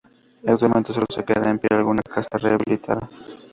Actualmente sólo queda en pie alguna casa rehabilitada.